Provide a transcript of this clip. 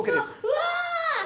うわ！